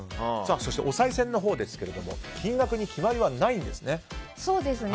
そして、おさい銭ですが金額に決まりはないんですね。